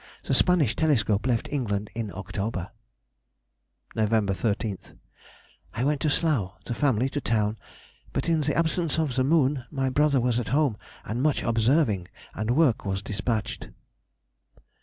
The Spanish telescope left England in October. November 13th.—I went to Slough, the family to town; but, in the absence of the moon, my brother was at home, and much observing, and work was despatched.